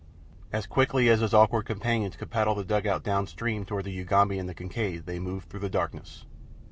As quickly as his awkward companions could paddle the dugout down stream toward the Ugambi and the Kincaid they moved through the darkness.